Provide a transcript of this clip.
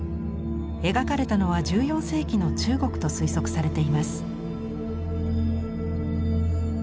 描かれたのは１４世紀の中国と推測されています。